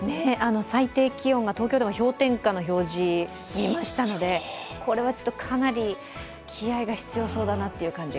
最低気温が東京でも氷点下の表示、見ましたのでこれはちょっとかなり気合いが必要そうだなって感じが。